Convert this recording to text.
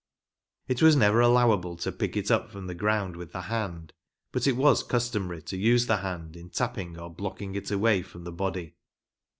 It was never allow^able to pick it up' from the ground with the hand, but it was customary to use the hand in tapping or blocking it away from the body.